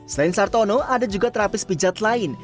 selain sartono ada juga terapis pijat lain